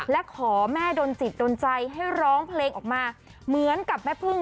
และขอแม่ดนจิตโดนใจให้ร้องเพลงออกมาเหมือนกับแม่พึ่ง